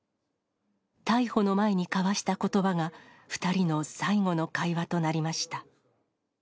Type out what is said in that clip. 逮捕の前に交わしたことばが、２人の最後の会話となりました。